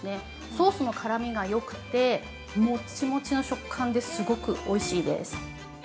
ソースの絡みがよくてもちもちの食感ですごくおいしいです。